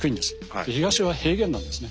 で東は平原なんですね。